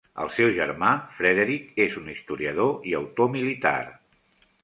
El seu germà, Frederick, és un historiador i autor militar.